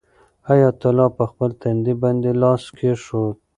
حیات الله په خپل تندي باندې لاس کېښود.